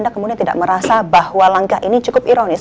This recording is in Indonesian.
namun apakah anda tidak merasa bahwa langkah ini cukup ironis